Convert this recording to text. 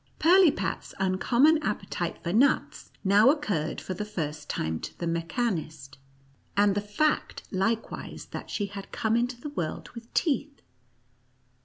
Pirlipat's uncom mon appetite for nuts now occurred for the first time to the mechanist, and the fact likewise that she had come into the world with teeth.